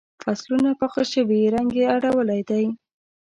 فصلونه پاخه شوي رنګ یې اړولی دی.